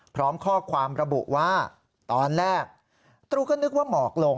พร้อมข้อความระบุว่าตอนแรกตรูก็นึกว่าหมอกลง